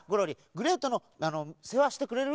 グレートのせわしてくれる？